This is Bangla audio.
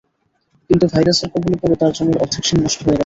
কিন্তু ভাইরাসের কবলে পড়ে তাঁর জমির অর্ধেক শিম নষ্ট হয়ে গেছে।